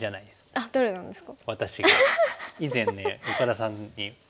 あっそうなんですか。